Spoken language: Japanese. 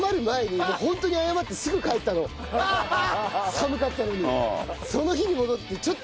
寒かったのに。